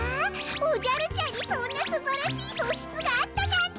おじゃるちゃんにそんなすばらしいそしつがあったなんて。